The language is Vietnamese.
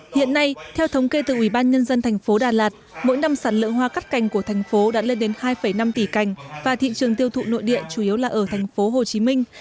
hiện nay theo thống kê từ ủy ban nhân dân tp đà lạt mỗi năm sản lượng hoa cắt cành của thành phố đã lên đến hai năm tỷ cành và thị trường tiêu thụ nội địa chủ yếu là ở tp hcm